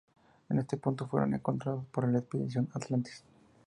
En ese punto, fueron encontrados por la "expedición Atlantis".